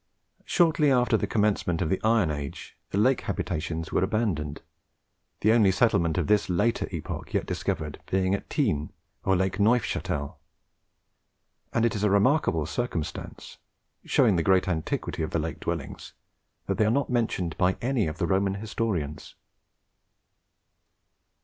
Shortly after the commencement of the iron age, the lake habitations were abandoned, the only settlement of this later epoch yet discovered being that at Tene, on Lake Neufchatel: and it is a remarkable circumstance, showing the great antiquity of the lake dwellings, that they are not mentioned by any of the Roman historians.